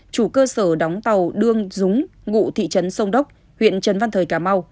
chủ cơ sở đóng tàu đương dúng ngụ thị trấn sông đốc huyện trần văn thời cà mau